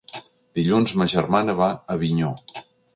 Dilluns ma germana va a Avinyó.